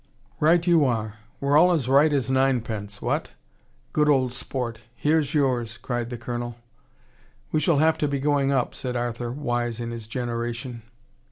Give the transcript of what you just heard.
"Right you are! We're all as right as ninepence what? Good old sport! Here's yours!" cried the Colonel. "We shall have to be going up," said Arthur, wise in his generation.